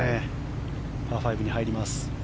パー５に入ります。